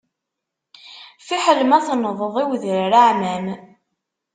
Fiḥel ma tennḍeḍ i udrar aɛmam.